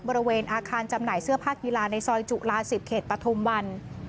บริเวณอาคารจำหน่ายเสื้อผ้ากีฬาในซอยจุฬา๑๐เขตปฐุมวัน